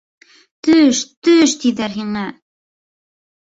Төш, төш тиҙәр һиңә!